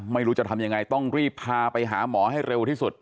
ไม่รู้จะทำยังไงต้องรีบพาไปหาหมอให้เร็วที่สุด